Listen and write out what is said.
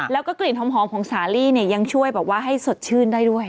แล้วก็กลิ่นหอมของสาลีเนี่ยยังช่วยแบบว่าให้สดชื่นได้ด้วย